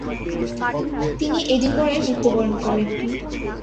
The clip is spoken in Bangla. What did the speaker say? তিনি এডিনবরায় মৃত্যুবরণ করেন।